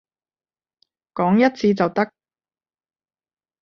講一次就得